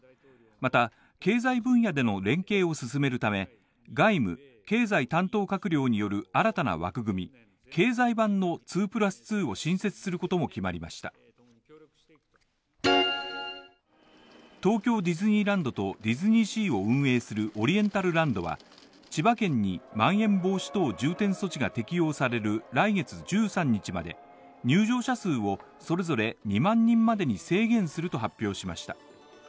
また、経済分野での連携を進めるため、外務・経済担当閣僚による新たな枠組み経済版の２＋２を新設することも決まりました東京ディズニーランドとディズニーシーを運営するオリエンタルランドは、千葉県にまん延防止等重点措置が適用される来月１３日まで、入場者数をそれぞれ２万人までに制限すると発表しました。